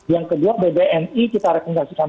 yang kedua bbni kita rekomendasikan